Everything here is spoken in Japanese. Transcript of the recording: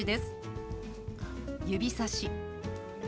「指さし」。